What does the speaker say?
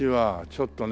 ちょっとね